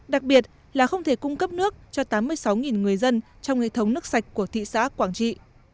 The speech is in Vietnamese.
đặc biệt là không thể cung cấp nước cho tám mươi sáu người dân trong hệ thống nước sạch của thị xã quảng trị